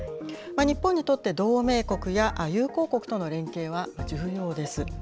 日本にとって同盟国や友好国との連携は重要です。